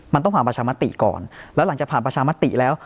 มันต้องผ่านประชามติก่อนแล้วหลังจากผ่านประชามติแล้ว